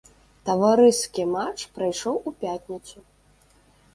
Таварыскі матч прайшоў у пятніцу.